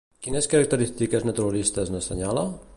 Quines característiques naturalistes n'assenyala?